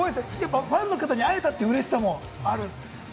ファンの方に会えた嬉しさもある。